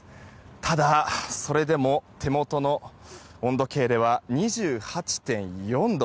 ただ、それでも手元の温度計では２８．４度。